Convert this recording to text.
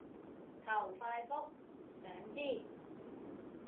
求快覆，想知